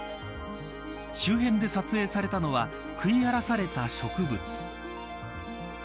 周辺で撮影されたのは食い荒らされた植物。